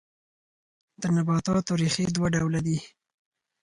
د نباتاتو ریښې دوه ډوله دي